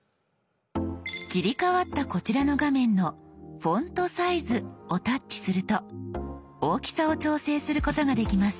切り替わったこちらの画面の「フォントサイズ」をタッチすると大きさを調整することができます。